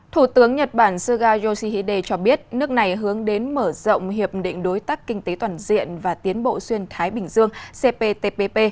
thủ tướng nhật bản suga yoshihide cho biết nước này hướng đến mở rộng hiệp định đối tác kinh tế toàn diện và tiến bộ xuyên thái bình dương cptpp